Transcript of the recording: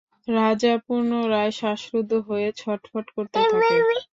রাজা পুনরায় শ্বাসরুদ্ধ হয়ে ছটফট করতে থাকে।